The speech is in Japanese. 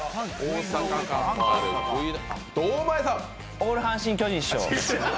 オール阪神・巨人師匠。